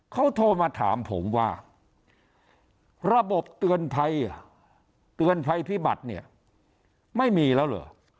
เขาโทรมาถามผมว่าระบบเตือนภัยเตือนภัยพิบัติเนี่ยไม่มีแล้วเหรอ